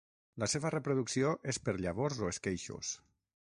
La seva reproducció és per llavors o esqueixos.